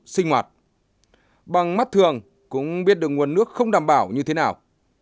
sinh hoạt bằng mắt thường cũng biết được nguồn nước không đảm bảo như thế nào